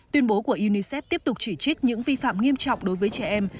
tuyên bố của unicef tiếp tục chỉ trích những vi phạm nghiêm trọng đối với trẻ em